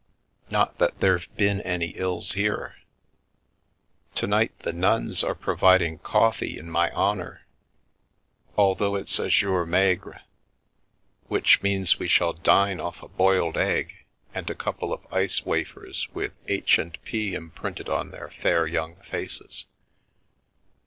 Not that there've been any ills here. To night the nuns are providing coffee in my honour, although it's a jour tnaigre, which means we shall dine off a boiled egg, and a couple of ice wafers with ' H & P ' imprinted on their fair young faces.